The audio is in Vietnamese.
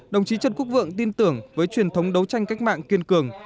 đồng chí trần quốc vượng tin tưởng với truyền thống đấu tranh cách mạng kiên cường